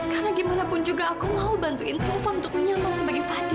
karena gimana pun juga aku mau bantuin tufan untuk menyeluruh sebagai fadil